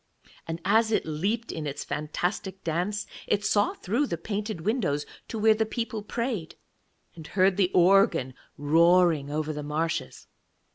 And as it leaped in its fantastic dance, it saw through the painted windows to where the people prayed, and heard the organ roaring over the marshes.